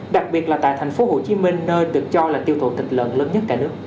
đặc biệt là tại thành phố hồ chí minh nơi được cho là tiêu thụ thịt lợn lớn nhất cả nước